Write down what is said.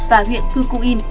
và huyện cư cụ yên